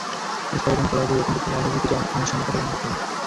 স্কোয়াডে কোনো খেলোয়াড় পরিবর্তন করতে হলে আইসিসির কিছু আনুষ্ঠানিকতা পালন করতে হয়।